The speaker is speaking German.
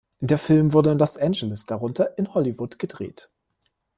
Der Film wurde in Los Angeles, darunter in Hollywood, gedreht.